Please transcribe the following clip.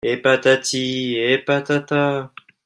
Et patati et patata.